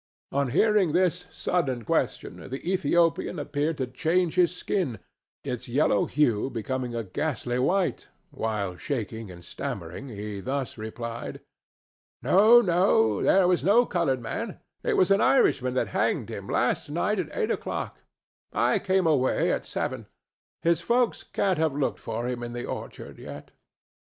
On hearing this sudden question the Ethiopian appeared to change his skin, its yellow hue becoming a ghastly white, while, shaking and stammering, he thus replied: "No, no! There was no colored man. It was an Irishman that hanged him last night at eight o'clock; I came away at seven. His folks can't have looked for him in the orchard yet."